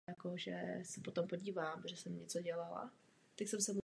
Umělci chtěli sochu ponechat poblíž Public Square a nakonec si vybrali Willard Park.